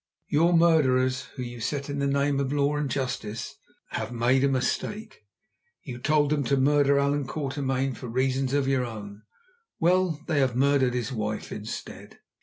"Your murderers whom you set on in the name of law and justice have made a mistake. You told them to murder Allan Quatermain for reasons of your own. Well, they have murdered his wife instead."